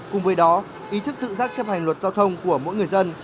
cùng với đó ý thức tự giác chấp hành luật giao thông của mỗi người dân